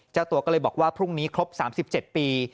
เจ้าตัวก็เลยบอกว่าพรุ่งนี้ครบ๓๗ปี